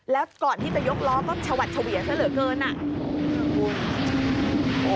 แล้วก่อนที่จะยกล้อก็ฉวัดเฉวียซะเหลือเกินอ่ะ